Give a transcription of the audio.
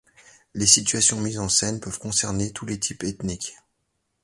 Les situations mises en scène peuvent concerner tous les types ethniques.